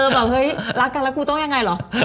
แบบเฮ้ยรักกันแล้วกูต้องยังไงเหรอ